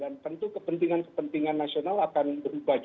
dan tentu kepentingan kepentingan nasional akan berubah